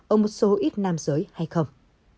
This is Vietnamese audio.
ở một số ít nam giới hay không